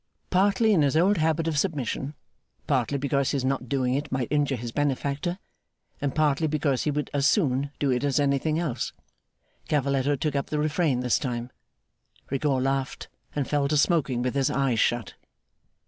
Partly in his old habit of submission, partly because his not doing it might injure his benefactor, and partly because he would as soon do it as anything else, Cavalletto took up the Refrain this time. Rigaud laughed, and fell to smoking with his eyes shut.